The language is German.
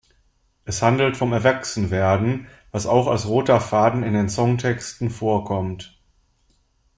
Es handelt vom Erwachsenwerden, was auch als roter Faden in den Songtexten vorkommt.